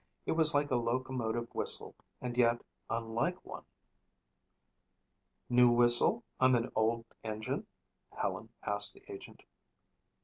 It was like a locomotive whistle and yet unlike one. "New whistle on the old engine?" Helen asked the agent.